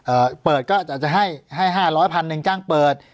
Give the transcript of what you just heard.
อ่าเปิดก็จะให้๕๐๐พันนึงจ้างเปิด